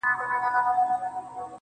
خپلي خبري خو نو نه پرې کوی.